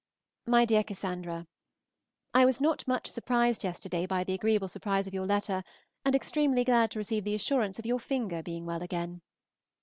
MY DEAR CASSANDRA, I was not much surprised yesterday by the agreeable surprise of your letter, and extremely glad to receive the assurance of your finger being well again.